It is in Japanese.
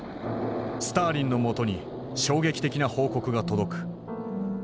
スターリンのもとに衝撃的な報告が届く。